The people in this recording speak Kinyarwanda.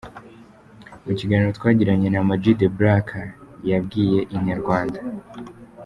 Mu kiganiro twagiranye na Ama G The Black yabwiye Inyarwanda.